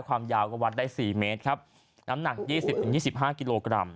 ความยาวก็วัดได้๔เมตรครับน้ำหนัก๒๐๒๕กิโลกรัม